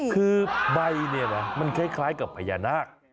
คือใบเนี่ยนะมันคล้ายกับพญานาค